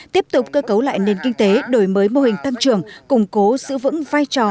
tiếp tục cơ cấu lại nền kinh tế đổi mới mô hình tăng trưởng củng cố giữ vững vai trò